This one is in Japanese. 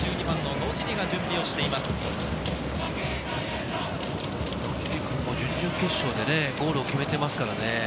野尻君も準々決勝でゴールを決めていますからね。